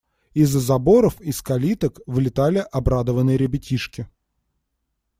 Из-за заборов, из калиток вылетали обрадованные ребятишки.